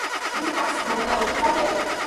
এটি স্টাটসম্যান কাউন্টির কাউন্টি আসন।